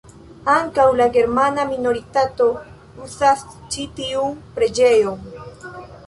Ankaŭ la germana minoritato uzas ĉi tiun preĝejon.